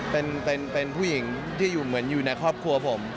เป็นผู้หญิงที่อยู่เหมือนอยู่ในครอบครัวผม